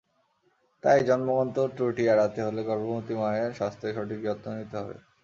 তাই জন্মগত ত্রুটি এড়াতে হলে গর্ভবতী মায়ের স্বাস্থ্যের সঠিক যত্ন নিতে হবে।